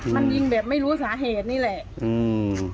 มันยิงแบบไม่รู้สาเหตุนี่แหละอืม